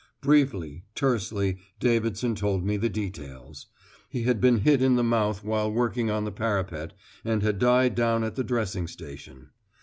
Briefly, tersely, Davidson told me the details. He had been hit in the mouth while working on the parapet, and had died down at the dressing station.